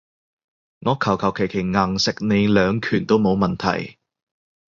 我求求其其硬食你兩拳都冇問題